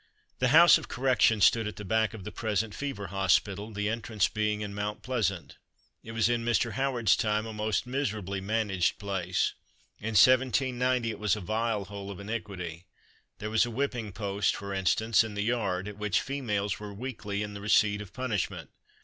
The House of Correction stood at the back of the present Fever Hospital, the entrance being in Mount Pleasant. It was in Mr. Howard's time a most miserably managed place. In 1790 it was a vile hole of iniquity. There was a whipping post, for instance, in the yard, at which females were weekly in the receipt of punishment.